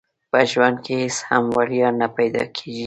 په ژوند کې هيڅ هم وړيا نه پيدا کيږي.